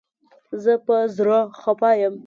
زه په زړه خپه یم